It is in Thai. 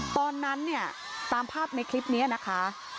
ตอนนั้นเนี่ยตามภาพในคลิปนี้นะคะ